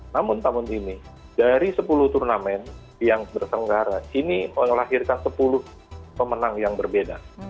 namun tahun ini dari sepuluh turnamen yang bersenggara ini melahirkan sepuluh pemenang yang berbeda